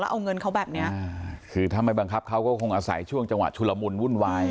เอาเงินเขาแบบเนี้ยอ่าคือถ้าไม่บังคับเขาก็คงอาศัยช่วงจังหวะชุลมุนวุ่นวาย